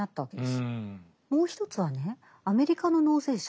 もう一つはねアメリカの納税者